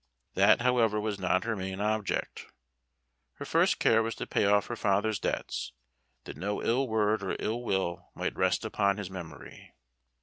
That, however, was not her main object. Her first care was to pay off her father's debts, that no ill word or ill will might rest upon his memory.